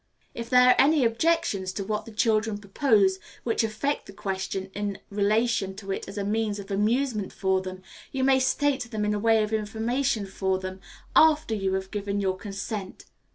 If there are any objections to what the children propose which affect the question in relation to it as a means of amusement for them, you may state them in the way of information for them, after you have given your consent.